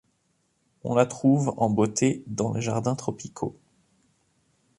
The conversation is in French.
On la trouve en beauté dans les jardins tropicaux.